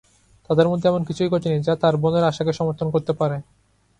তাদের মধ্যে এমন কিছুই ঘটেনি, যা তার বোনের আশাকে সমর্থন করতে পারে।